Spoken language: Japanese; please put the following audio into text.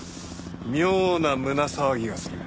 妙な胸騒ぎがする。